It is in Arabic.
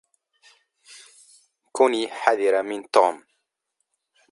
كني حذرة من توم.